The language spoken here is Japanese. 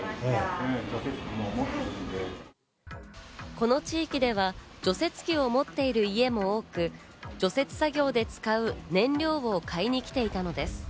この地域では除雪機を持っている家も多く、除雪作業で使う燃料を買いに来ていたのです。